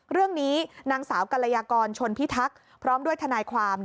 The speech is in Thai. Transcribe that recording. เรื่องนี้นางสาวกรยากรชนพิทักษ์พร้อมด้วยทนายความ